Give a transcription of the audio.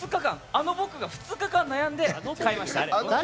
あの僕が２日間、悩んで買いました、あれ。